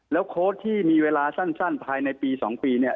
โค้ดที่มีเวลาสั้นภายในปี๒ปีเนี่ย